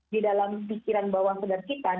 di dalam pikiran bawah sadar kita